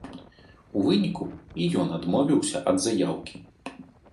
У выніку, і ён адмовіўся ад заяўкі.